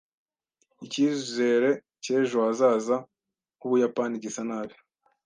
Icyizere cy'ejo hazaza h'Ubuyapani gisa nabi.